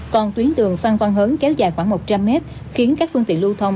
còn tuyến đường phan văn hớn kéo dài khoảng một trăm linh mét khiến các phương tiện lưu thông